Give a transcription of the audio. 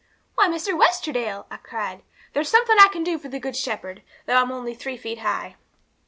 '"Why, Mr. Westerdale," I cried, "there's something I can do for the Good Shepherd, though I'm only three feet high!"